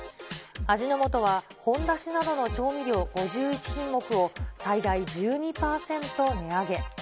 味の素は、ほんだしなどの調味料５１品目を、最大１２％値上げ。